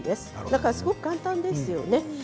だから、すごく簡単ですよね。